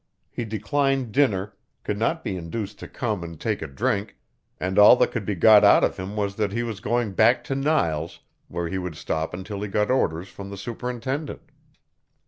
He declined dinner, could not be induced to come and take a drink, and all that could be got out of him was that he was going back to Niles, where he would stop until he got orders from the superintendent.